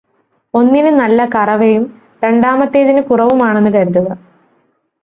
ഒന്നിന് നല്ല കറവയും, രണ്ടാമത്തേതിന് കുറവുമാണെന്നു കരുതുക.